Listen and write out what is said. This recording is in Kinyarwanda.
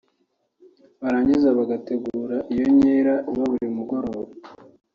barangiza bagategura iyo nkera iba kuri uwo mugoroba